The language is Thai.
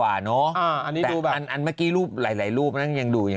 อันที่เขาไม่มีผมโกลหัวน่ะไหม